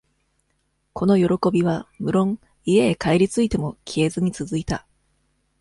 この喜びは、むろん、家へ帰り着いても消えずにつづいた。